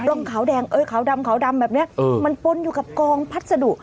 มันเป็นขาวแดงเอ้ยขาวดำขาวดำแบบเนี้ยมันปล้นอยู่กับกองพัสดุ